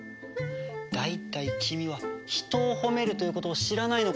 大体君は人を褒めるということを知らないのか？